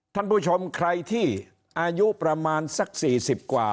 ท่านผู้ชมใครที่อายุประมาณสัก๔๐กว่า